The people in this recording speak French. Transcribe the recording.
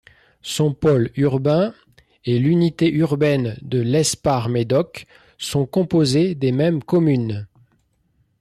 Son pôle urbain et l'unité urbaine de Lesparre-Médoc sont composés des mêmes communes.